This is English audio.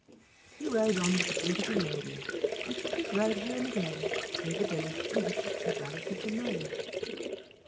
He rode on with the beautiful maiden, and his road took him again through the village in which his two brothers had remained.